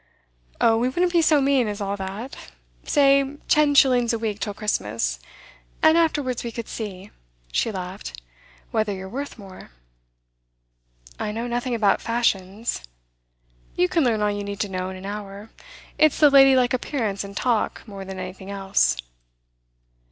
'Oh, we wouldn't be so mean as all that. Say ten shillings a week till Christmas, and afterwards we could see' she laughed 'whether you're worth more.' 'I know nothing about fashions.' 'You can learn all you need to know in an hour. It's the ladylike appearance and talk more than anything else.